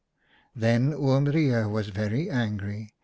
" Then Oom Reijer was very angry.